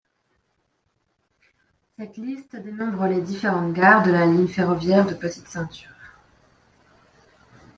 Cette liste dénombre les différentes gares de la ligne ferroviaire de Petite Ceinture.